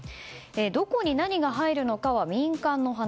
どこに何が入るのかは民間の話。